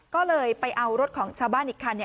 ก็เลยไปเอารถของชาวบ้านอีกคัน